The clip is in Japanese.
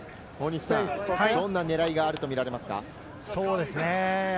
どんな狙いがあると見られますか？